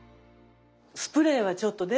スプレーはちょっとね